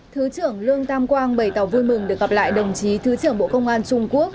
thứ trưởng lương tam quang bày tỏ vui mừng được gặp lại đồng chí thứ trưởng bộ công an trung quốc